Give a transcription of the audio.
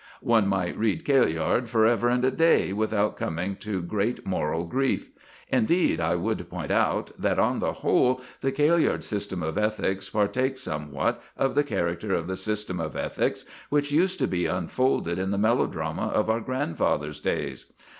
One might read Kailyard for ever and a day without coming to great moral grief. Indeed, I would point out that, on the whole, the Kailyard system of ethics partakes somewhat of the character of the system of ethics which used to be unfolded in the melodrama of our grandfathers' days.